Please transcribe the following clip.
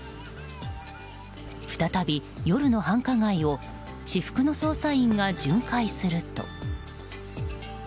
再び夜の繁華街を私服の捜査員が巡回すると。